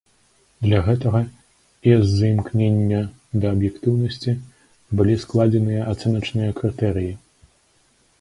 Для гэтага і з-за імкнення да аб'ектыўнасці былі складзеныя ацэначныя крытэрыі.